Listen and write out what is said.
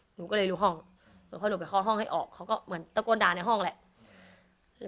หนูก็เลยรู้ห้องพอหนูไปเคาะห้องให้ออกเขาก็เหมือนตะโกนด่าในห้องแหละ